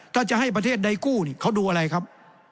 ถ้าจะให้ประเทศใดกู้นี่เขาดูอะไรครับ